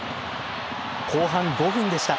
後半５分でした。